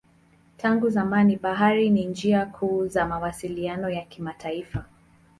Tangu zamani bahari ni njia kuu za mawasiliano ya kimataifa.